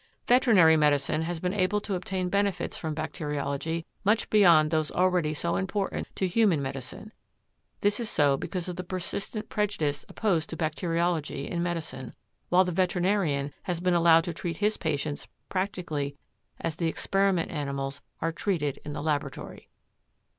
Veterinary medicine has been able to obtain benefits from bacteriology much beyond those already so important to human medicine. This is so because of the persistent prejudice opposed to bacteriology in medicine, while the veterinarian has been allowed to treat his patients practically as the experiment animals are treated in the laboratory.